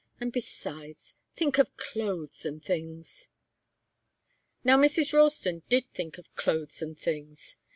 And besides think of clothes and things!" Now Mrs. Ralston did think of 'clothes and things.